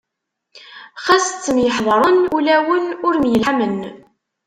Xas ttemyeḥḍaṛen, ulawen ur myelḥamen.